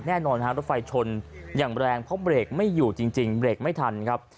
แน่นอนฮะรถไฟชนอย่างแรงเพราะเบรกไม่อยู่จริงเบรกไม่ทันครับ